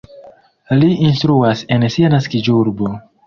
Li instruas en sia naskiĝurbo.